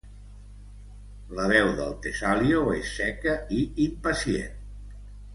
La veu del Tesalio és seca i impacient.